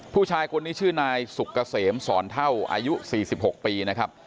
ผู้ชายคนนี้ชื่อนายสุกเกษมสอนเท่าอายุ๔๖ปีนะครับ